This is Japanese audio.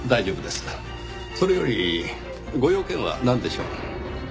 それよりご用件はなんでしょう？